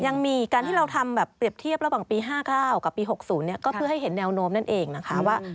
ยังมีการที่เราทำแบบเปรียบเทียบระหว่างปี๕๙กับปี๖๐เนี่ยก็เพื่อให้เห็นแนวโน้มนั่นเองนะคะว่า